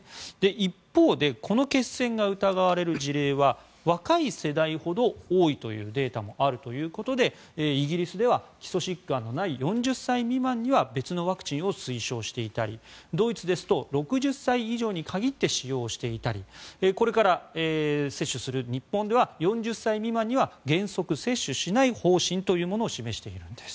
一方でこの血栓が疑われる事例は若い世代ほど多いというデータもあるということでイギリスでは基礎疾患のない４０歳未満には別のワクチンを推奨していたりドイツですと６０最上に限って使用していたりこれから接種する日本では４０歳未満には原則接種しない方針というものを示しているんです。